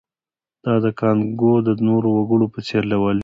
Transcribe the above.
دا د کانګو د نورو وګړو په څېر لېوالتیا وه